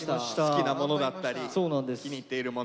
好きなものだったり気に入っているもの。